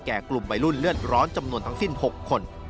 กลุ่มวัยรุ่นเลือดร้อนจำนวนทั้งสิ้น๖คน